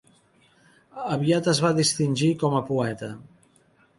Aviat es va distingir com a poeta.